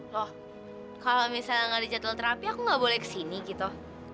loh kalo misalnya gak ada jadwal terapi aku gak boleh kesini gitu